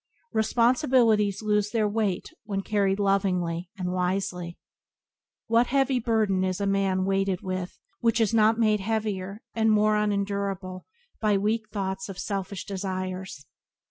Responsibilities lose their weight when carried lovingly and wisely. What heavy burden is a man weighted with which is not made heavier and more unendurable by weak thoughts of selfish desires?